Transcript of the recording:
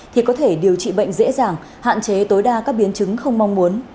thì có thể điều trị bệnh dễ dàng hạn chế tối đa các biến chứng không mong muốn